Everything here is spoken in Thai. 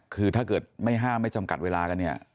คือถ้าเกิดไม่ห้ามไม่จำกัดเวลากันเนี่ย